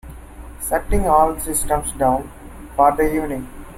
Shutting all systems down for the evening.